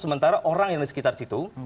sementara orang yang di sekitar situ